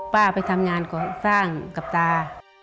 ไปทำงานก่อสร้างกับตา